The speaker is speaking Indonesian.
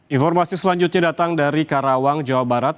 informasi selanjutnya datang dari karawang jawa barat